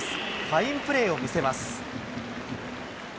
ファインプレーを見せます。